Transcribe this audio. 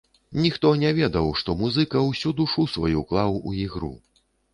Ніхто не ведаў, што музыка ўсю душу сваю клаў у ігру.